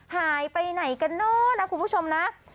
หายไปไหนกันคือคุณผู้ชมนะ